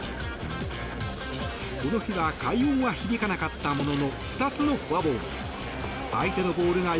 この日は快音は響かなかったものの２つのフォアボール。